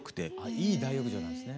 いい大浴場なんですね。